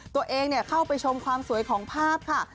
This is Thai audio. ตัวเองเข้าไปชมความสวยของภาพค่ะ